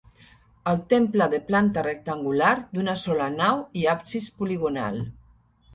El temple de planta rectangular d'una sola nau i absis poligonal.